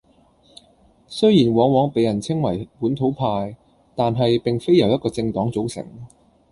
雖然往往畀人稱為「本土派」，但係並非由一個政黨組成